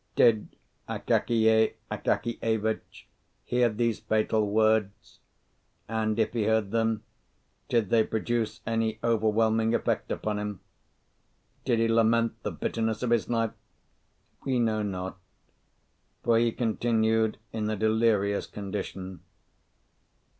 Did Akakiy Akakievitch hear these fatal words? and if he heard them, did they produce any overwhelming effect upon him? Did he lament the bitterness of his life? We know not, for he continued in a delirious condition.